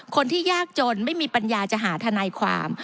คนที่ยากจนไม่มีปัญญาจะหาทนายความ